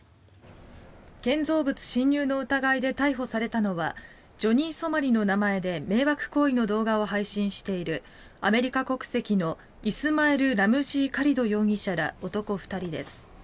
建造物侵入の疑いで逮捕されたのはジョニー・ソマリの名前で迷惑行為の動画を配信しているアメリカ国籍のイスマエル・ラムジー・カリド容疑者ら、男２人です。